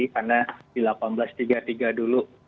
karena di seribu delapan ratus tiga puluh tiga dulu